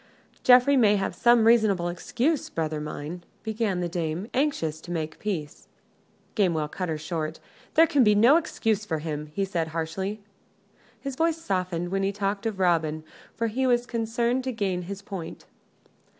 "Geoffrey may have some reasonable excuse, brother mine," began the dame, anxious to make peace. Gamewell cut her short. "There can be no excuse for him," he said, harshly. His voice softened when he talked of Robin, for he was concerned to gain his point.